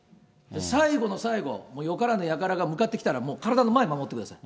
最後の最後、よからぬやからが向かってきたら、体の前を守ってください。